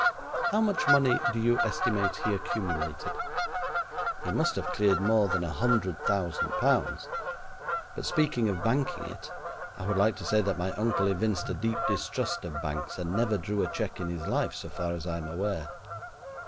'How much money do you estimate he accumulated?' 'He must have cleared more than a hundred thousand pounds, but speaking of banking it, I would like to say that my uncle evinced a deep distrust of banks, and never drew a cheque in his life so far as I am aware.